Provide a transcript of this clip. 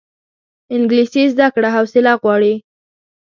انګلیسي زده کړه حوصله غواړي